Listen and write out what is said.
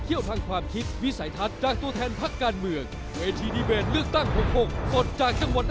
ทางไทยรัฐทีวีช่อง๓๒